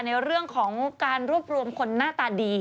ในเรื่องของการรวบรวมคนหน้าตาดี